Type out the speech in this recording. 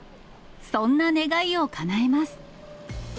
そんな願いをかなえます。